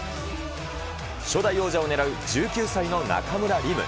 初代王者を狙う１９歳の中村輪夢。